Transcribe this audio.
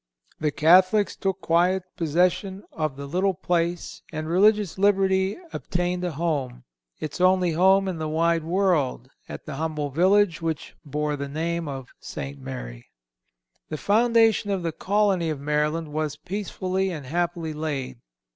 "The Catholics took quiet possession of the little place, and religious liberty obtained a home, its only home in the wide world, at the humble village which bore the name of St. Mary."(303) "The foundation of the colony of Maryland was peacefully and happily laid.